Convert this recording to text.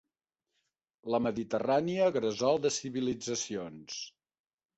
La Mediterrània, gresol de civilitzacions.